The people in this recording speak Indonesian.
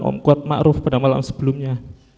om kuat ma'ruf pada malam sebelumnya